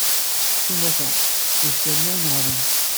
S umata, d Sami i inehhṛen.